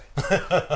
ハハハハ。